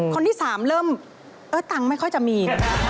คนที่สามเริ่มเอ้อตังค์ไม่ค่อยจะมี